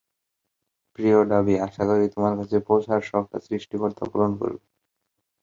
সুতরাং আহমদ প্রয়াত পাশার স্ত্রীকে সম্মানিত করেছিলেন।